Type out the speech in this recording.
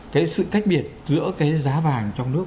cái sự tách biệt giữa cái giá vàng trong nước